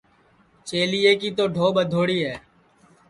چیلیے کی تو ڈھو ٻدھوڑی ہے